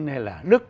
hay là đức